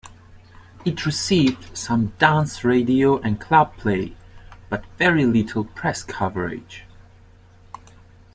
It received some dance radio and club play, but very little press coverage.